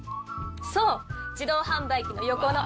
そう自動販売機の横の。